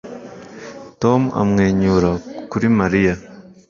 Tom amwenyura kuri Mariya